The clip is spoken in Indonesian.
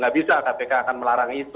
gak bisa kpk akan melarang itu